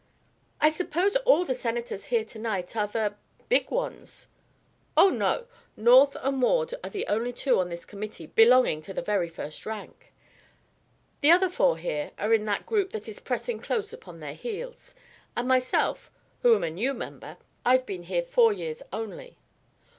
"I suppose all the Senators here to night are the big ones?" "Oh, no; North and Ward are the only two on this Committee belonging to the very first rank. The other four here are in that group that is pressing close upon their heels; and myself, who am a new member: I've been here four years only.